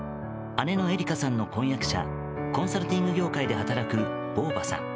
姉のえりかさんの婚約者コンサルティング業界で働くヴォ―ヴァさん。